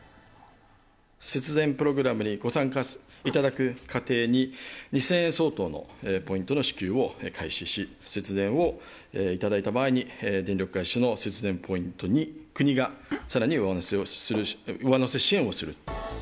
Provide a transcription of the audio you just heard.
節電プログラムにご参加いただく家庭に、２０００円相当のポイントの支給を開始し、節電をいただいた場合に、電力会社の節電ポイントに国がさらに上乗せ支援をする。